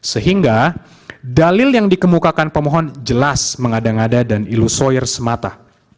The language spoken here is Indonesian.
sehingga dalil yang dikemukakan pemohon jelas mengada ngada dan ilusoir semata